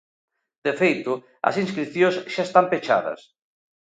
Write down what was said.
De feito, as inscricións xa están pechadas.